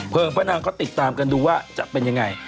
พระนางก็ติดตามกันดูว่าจะเป็นยังไง